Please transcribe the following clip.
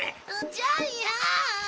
ジャイアン！